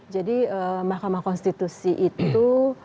jadi mahkamah konstitusi itu